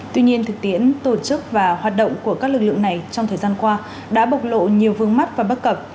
tuy nhiên thực tiễn tổ chức và hoạt động của các lực lượng này trong thời gian qua đã bộc lộ nhiều vương mắc và bất cập